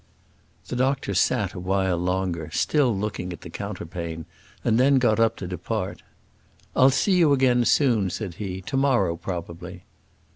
The doctor sat a while longer, still looking at the counterpane, and then got up to depart. "I'll see you again soon," said he; "to morrow, probably."